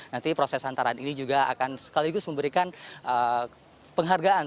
nanti proses hantaran ini juga akan sekaligus memberikan penghargaan